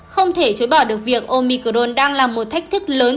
không thể chối bỏ được việc omicdon đang là một thách thức lớn